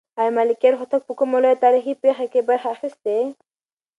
آیا ملکیار هوتک په کومه لویه تاریخي پېښه کې برخه اخیستې؟